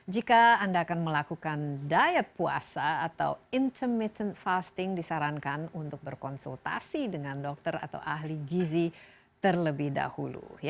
jika anda akan melakukan diet puasa atau intermittent fasting disarankan untuk berkonsultasi dengan dokter atau ahli gizi terlebih dahulu